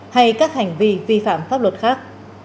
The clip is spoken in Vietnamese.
hay các hành vi vi phạm pháp luật khác